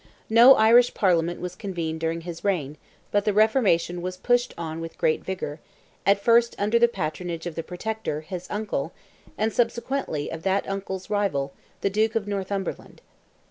No Irish Parliament was convened during his reign, but the Reformation was pushed on with great vigour, at first under the patronage of the Protector, his uncle, and subsequently of that uncle's rival, the Duke of Northumberland.